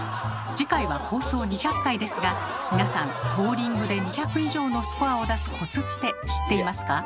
次回は放送２００回ですが皆さんボウリングで２００以上のスコアを出すコツって知っていますか？